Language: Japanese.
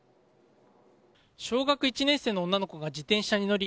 小学１年生の女の子が自転車に乗り